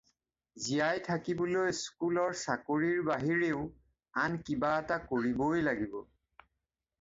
জীয়াই থাকিবলৈ স্কুলৰ চাকৰিৰ বাহিৰেও আন কিবা এটা কৰিবই লাগিব।